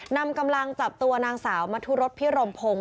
นำกำลังจับตัวนางสาวมทุรสพิรมพงศ์